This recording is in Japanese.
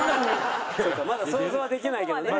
まだ想像はできないけどね。